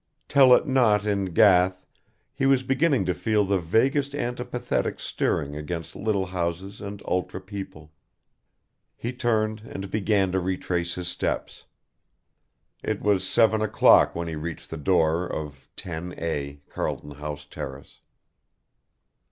Tell it not in Gath, he was beginning to feel the vaguest antipathetic stirring against little houses and ultra people. He turned and began to retrace his steps. It was seven o'clock when he reached the door of 10A, Carlton House Terrace.